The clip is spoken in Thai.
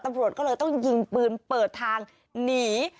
ตำรวจก็เลยต้องยิงปืนเปิดทางหนี